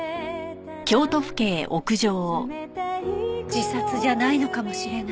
自殺じゃないのかもしれない。